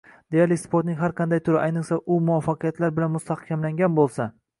Deyarli sportning har qanday turi, ayniqsa u muvaffaqiyatlar bilan mustahkamlangan bo‘lsa